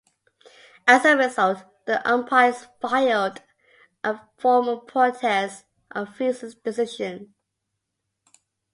As a result, the umpires filed a form of protest of Vincent's decision.